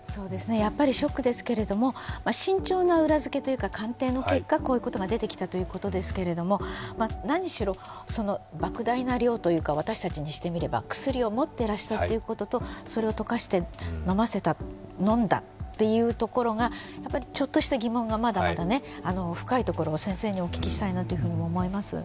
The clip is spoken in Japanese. やっぱりショックですけれども、慎重な裏付けというか鑑定の結果、こういうことが出てきたということですけれど何しろばく大な量というか私たちにしてみれば薬を持っていらしたということと、それを溶かして飲ませた、飲んだというところが、やっぱりちょっとした疑問がまだまだ深いところを先生にお聞きしたいなと思います。